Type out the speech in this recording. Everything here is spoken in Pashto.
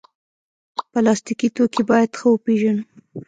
پلاستيکي توکي باید ښه وپیژنو.